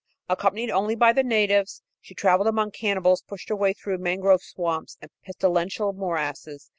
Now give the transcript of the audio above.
Accompanied only by the natives, she travelled among cannibals, pushed her way through mangrove swamps and pestilential morasses.